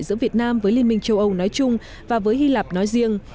giữa việt nam với liên minh châu âu nói chung và với hy lạp nói riêng